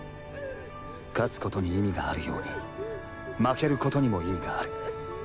勝つことに意味があるように負けることにも意味がある。